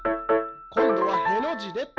こんどは「へ」の字で。